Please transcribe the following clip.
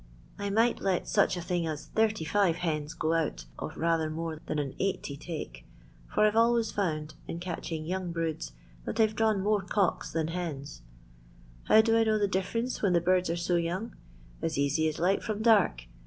I might let such a thing as 85 hens go out of rather more than an 80 take, for I 've always found, in catching young broods, that I 've drawn more cocks than hens. How do I know the difference when the birds are so young ? As easy as light from dark.